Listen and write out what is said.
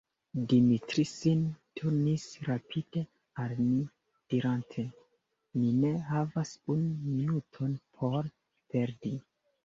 Dimitri sin turnis rapide al ni, dirante: Ni ne havas unu minuton por perdi.